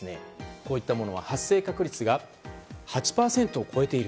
こういったものは発生確率が８％を超えている。